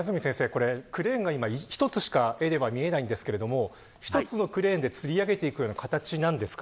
これ、クレーンが今１つしか見えないんですけれども１つのクレーンでつり上げていくような形なんですか。